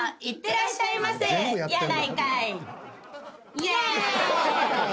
イェーイ！